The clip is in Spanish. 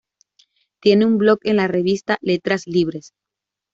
Tiene un blog en la revista "Letras Libres".